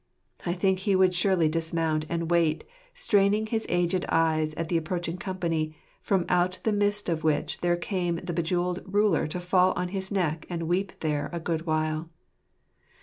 I think he would surely dismount, and wait, straining his aged eyes at the approaching company, from out the midst of which there came the bejewelled ruler to fall on his neck and weep there a good while.